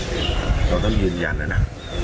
เราต้องยืนยันแล้วนะ